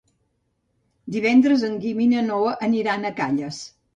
Divendres en Guim i na Noa aniran a Calles.